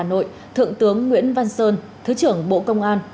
sáng nay tại hà nội thượng tướng nguyễn văn sơn thứ trưởng bộ công an